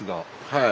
はい。